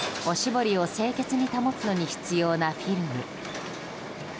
おしぼりを清潔に保つのに必要なフィルム。